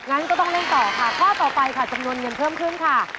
งั้นก็ต้องเล่นต่อค่ะข้อต่อไปค่ะจำนวนเงินเพิ่มขึ้นค่ะ